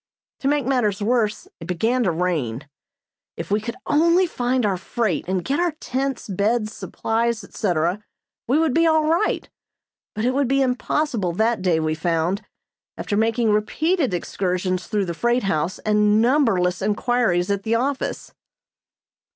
To make matters worse it began to rain. If we could only find our freight and get our tents, beds, supplies, etc., we would be all right, but it would be impossible that day we found, after making repeated excursions through the freight house and numberless inquiries at the office.